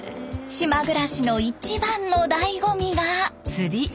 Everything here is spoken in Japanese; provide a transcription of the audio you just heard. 島暮らしの一番のだいご味が。